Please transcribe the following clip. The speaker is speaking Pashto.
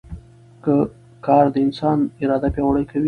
کار د انسان اراده پیاوړې کوي